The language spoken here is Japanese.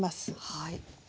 はい。